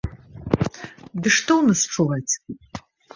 Ды што ў нас чуваць?